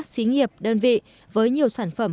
xí nghiệp đơn vị với nhiều sản phẩm